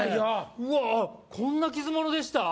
うわっこんな傷モノでした？